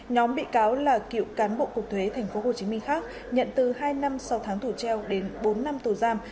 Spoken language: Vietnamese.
nhóm bị cáo là cựu cán bộ cục thuế tp hcm khác nhận từ hai năm sau tháng tù treo đến bốn năm tù giam